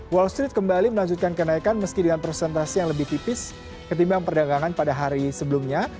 wall street kembali melanjutkan kenaikan meski dengan presentasi yang lebih tipis ketimbang perdagangan pada hari sebelumnya